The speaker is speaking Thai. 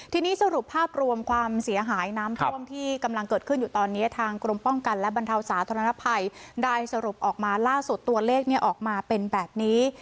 ทีนี้สรุปภาพรวมความเสียหายน้ำท่วมที่กำลังเกิดขึ้นอยู่ตอนนี้ทางกรมป้องกันและบรรเทาสาธารณภัยได้สรุปออกมาล่าสุดตัวเลขออกมาเป็นแบบนี้